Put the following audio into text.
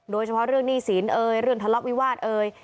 โดยเฉพาะเรื่องหนี้สินเอ่ยเรื่องทะเลาะวิวาสเอ่ย